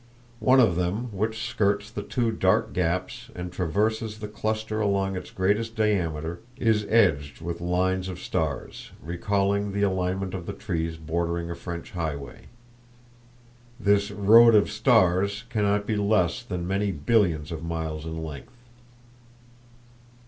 One of them which skirts the two dark gaps and traverses the cluster along its greatest diameter is edged with lines of stars, recalling the alignment of the trees bordering a French highway. This road of stars cannot be less than many billions of miles in length!